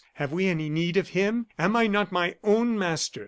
Have we any need of him? Am I not my own master?